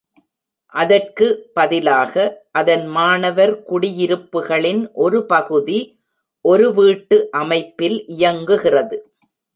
அதற்கு பதிலாக, அதன் மாணவர் குடியிருப்புகளின் ஒரு பகுதி ஒரு வீட்டு அமைப்பில் இயங்குகிறது.